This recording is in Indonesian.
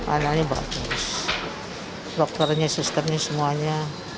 anaknya bagus dokternya sistemnya semuanya